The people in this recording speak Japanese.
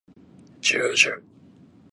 じゅじゅ